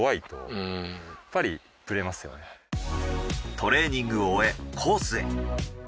トレーニングを終えコースへ。